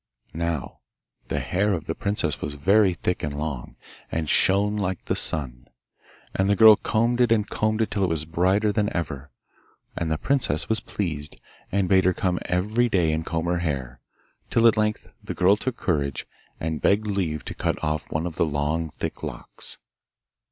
Now the hair of the princess was very thick and long, and shone like the sun. And the girl combed it and combed it till it was brighter than ever. And the princess was pleased, and bade her come every day and comb her hair, till at length the girl took courage, and begged leave to cut off one of the long, thick locks.